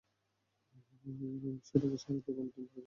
সেই ডাকে সাড়া দিয়ে গণতন্ত্র রক্ষা করতে রাস্তায় নামে হাজারো সমর্থক।